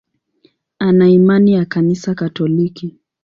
Ana imani ya Kanisa Katoliki.